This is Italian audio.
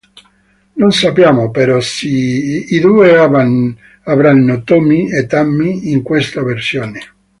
Non sappiamo, però, se i due avranno Tommy e Tammy in questa versione.